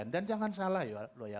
dan jangan salah ya